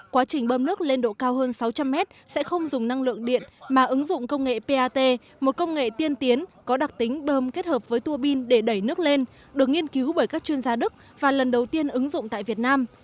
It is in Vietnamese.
quá trình bơm nước lên độ cao hơn sáu trăm linh mét sẽ không dùng năng lượng điện mà ứng dụng công nghệ pat một công nghệ tiên tiến có đặc tính bơm kết hợp với tua pin để đẩy nước lên được nghiên cứu bởi các chuyên gia đức và lần đầu tiên ứng dụng tại việt nam